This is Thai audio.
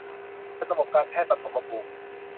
จัดระบบการแพทย์ปฐมภูมิ